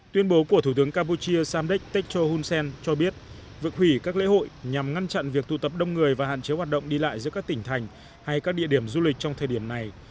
tuyên bố của thủ tướng campuchia samdech techo hun sen cho biết vực hủy các lễ hội nhằm ngăn chặn việc tụ tập đông người và hạn chế hoạt động đi lại giữa các tỉnh thành hay các địa điểm du lịch trong thời điểm này